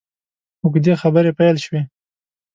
اوږدې خبرې پیل شوې.